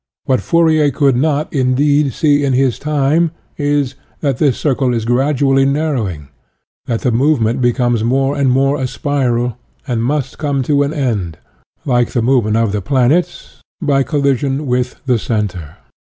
What Fourier could not, indeed, see in his time is, that this circle is gradu ally narrowing; that the movement becomes more and more a spiral, and must come to UTOPIAN AND SCIENTIFIC III an end, like the movement of the planets, by collision with the center.